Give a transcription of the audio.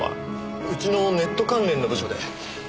うちのネット関連の部署で。